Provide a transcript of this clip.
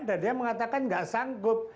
dan dia mengatakan nggak sanggup